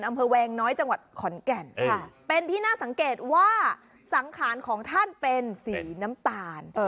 อำเภอแวงน้อยจังหวัดขอนแก่นเป็นที่น่าสังเกตว่าสังขารของท่านเป็นสีน้ำตาล